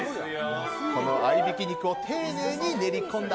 合いびき肉を丁寧に練り込んだ